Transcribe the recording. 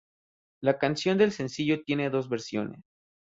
La canción del sencillo tiene dos versiones.